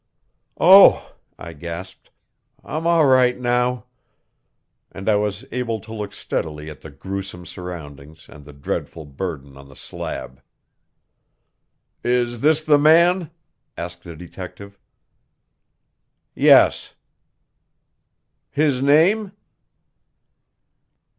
"Oh," I gasped, "I'm all right now." And I was able to look steadily at the gruesome surroundings and the dreadful burden on the slab. "Is this the man?" asked the detective. "Yes." "His name?"